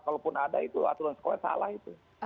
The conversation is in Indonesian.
kalau pun ada itu aturan sekolah salah itu